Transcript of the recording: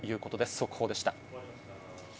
速報でした。